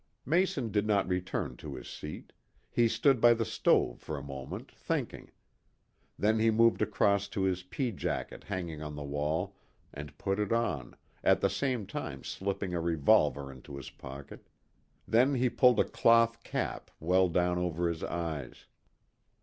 Mason did not return to his seat. He stood by the stove for a moment thinking. Then he moved across to his pea jacket hanging on the wall and put it on, at the same time slipping a revolver into his pocket. Then he pulled a cloth cap well down over his eyes.